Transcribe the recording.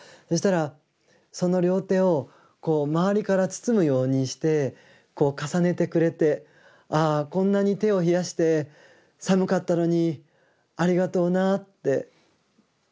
そしたらその両手を周りから包むようにして重ねてくれて「ああこんなに手を冷やして寒かったろうにありがとうな」って。